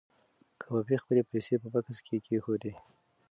کبابي خپلې پیسې په بکس کې کېښودې.